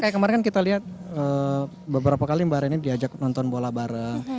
kayak kemarin kita lihat beberapa kali mbak ari ini diajak nonton bola bareng